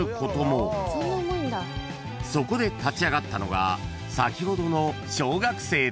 ［そこで立ち上がったのが先ほどの小学生たち］